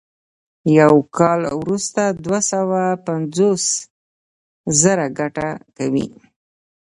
یو کال وروسته دوه سوه پنځوس زره ګټه کوي